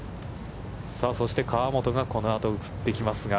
そして、河本がこのあと、映ってきますが。